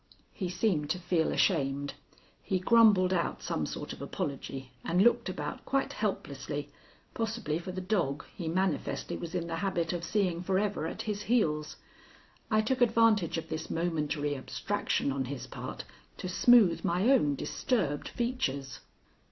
He seemed to feel ashamed. He grumbled out some sort of apology and looked about quite helplessly, possibly for the dog he manifestly was in the habit of seeing forever at his heels. I took advantage of this momentary abstraction on his part to smooth my own disturbed features.